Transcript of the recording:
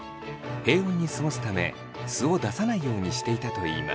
平穏に過ごすため素を出さないようにしていたと言います。